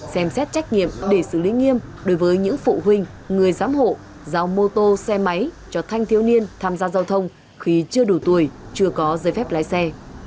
xem xét trách nhiệm để xử lý nghiêm đối với những phụ huynh người giám hộ giao mô tô xe máy cho thanh thiếu niên tham gia giao thông khi chưa đủ tuổi chưa có giấy phép lái xe